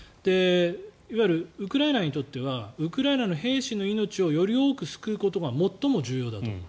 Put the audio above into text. いわゆるウクライナにとってはウクライナの兵士の命をより多く救うことが最も重要だと。